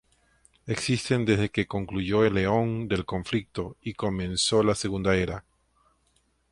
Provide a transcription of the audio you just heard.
Existen desde que concluyó el Eón del Conflicto y comenzó la Segunda Edad.